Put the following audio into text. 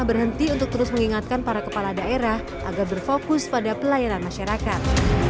berhenti untuk terus mengingatkan para kepala daerah agar berfokus pada pelayanan masyarakat